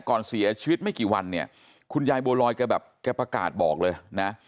ก่อนเสียชีวิตไม่กี่วันเนี่ยคุณยายบัวลอยแกแบบแกประกาศบอกเลยนะ